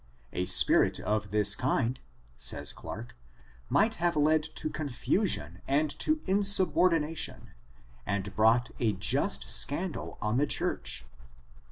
A spirit of this kind (says Clarke) might have led to confusion and to insubordination^ and brought a jxist scandal on the church."